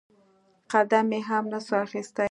قدم يې هم نسو اخيستى.